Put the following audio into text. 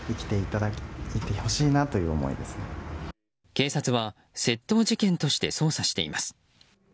警察は窃盗事件として捜査しています。